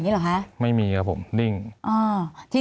มีความรู้สึกว่ามีความรู้สึกว่า